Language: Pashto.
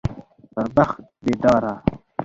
پر بخت بيداره